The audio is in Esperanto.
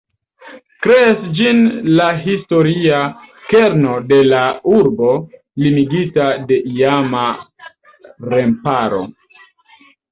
Kreas ĝin la historia kerno de la urbo limigita de iama remparo.